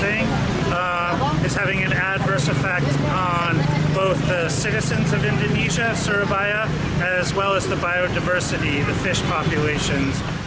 mengalami efek yang berat pada penduduk indonesia surabaya dan juga kebiasaan biodiversitas populasi ikan